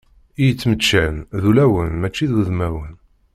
I yettmeččan d ulawen mačči d udmawen.